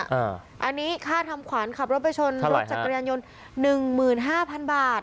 อ่าอันนี้ค่าทำขวัญขับรถไปชนรถจากกระยานยนต์หนึ่งหมื่นห้าพันบาท